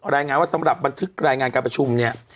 รายงานว่าสำหรับบันทึกรายงานการประชุมเนี่ย